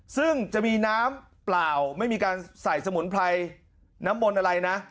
ซึ่งจะมีน้ำเปล่าไม่มีการใส่สมุนไพรน้ำมนต์อะไรนะ